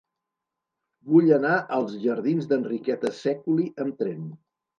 Vull anar als jardins d'Enriqueta Sèculi amb tren.